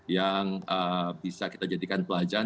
yang bisa kita jadikan pelajaran